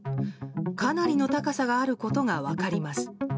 かなりの高さがあることが分かります。